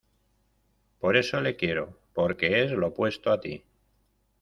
por eso le quiero, porque es lo opuesto a ti.